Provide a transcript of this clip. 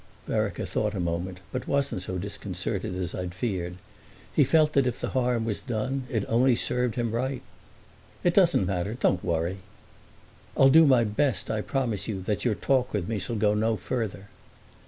Vereker thought a moment, but wasn't so disconcerted as I had feared: he felt that if the harm was done it only served him right. "It doesn't matter—don't worry." "I'll do my best, I promise you, that your talk with me shall go no further."